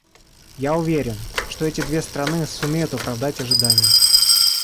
Я уверен, что эти две страны сумеют оправдать ожидания.